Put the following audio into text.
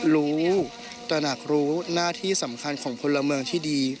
รู้ตระหนักรู้หน้าที่สำคัญของพลเมืองที่ดี